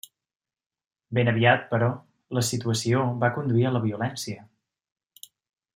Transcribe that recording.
Ben aviat, però, la situació va conduir a la violència.